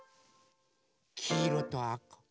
きいろとあか。